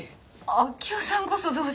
明生さんこそどうして。